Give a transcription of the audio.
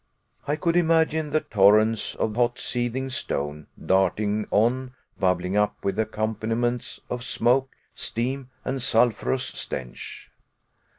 I could imagine the torrents of hot seething stone darting on, bubbling up with accompaniments of smoke, steam, and sulphurous stench!